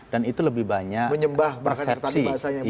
dan itu lebih banyak persepsi